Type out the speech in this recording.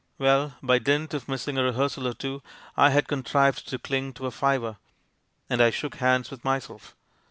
"Well, by dint of missing a rehearsal or two, I had contrived to cling to a fiver; and I shook hands with myself.